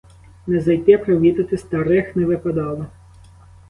Не зайти провідати старих — не випадало.